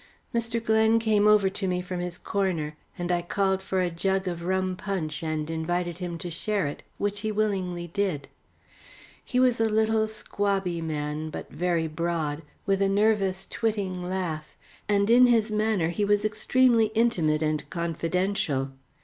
Mr. Glen came over to me from his corner, and I called for a jug of rum punch, and invited him to share it, which he willingly did. He was a little squabby man, but very broad, with a nervous twitting laugh, and in his manner he was extremely intimate and confidential.